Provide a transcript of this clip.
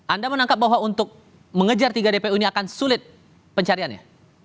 anda menangkap bahwa untuk mengejar tiga dpo ini akan sulit pencariannya